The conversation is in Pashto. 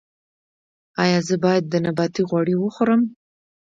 ایا زه باید د نباتي غوړي وخورم؟